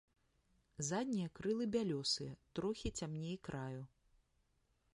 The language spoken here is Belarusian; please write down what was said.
Заднія крылы бялёсыя, трохі цямней краю.